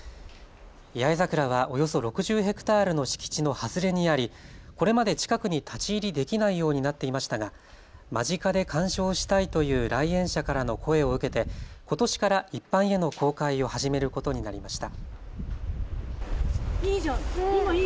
八重桜はおよそ６０ヘクタールの敷地の外れにあり、これまで近くに立ち入りできないようになっていましたが、間近で観賞したいという来園者からの声を受けて、ことしから一般への公開を始めることになりました。